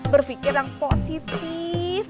berpikir yang positif